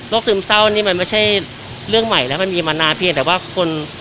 ซึมเศร้านี่มันไม่ใช่เรื่องใหม่แล้วมันมีมานานเพียงแต่ว่าคน